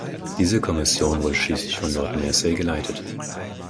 Diese Kommission wurde schließlich von Lord Mersey geleitet.